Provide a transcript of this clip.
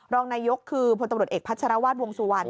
รองนายกคือพลตบริษัทเอกพัชรวาสวงศ์สุวรรณ